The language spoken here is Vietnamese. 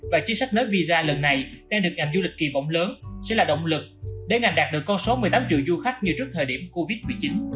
và chính sách nới visa lần này đang được ngành du lịch kỳ vọng lớn sẽ là động lực để ngành đạt được con số một mươi tám triệu du khách như trước thời điểm covid một mươi chín